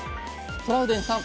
トラウデンさん